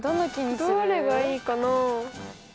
どれがいいかな？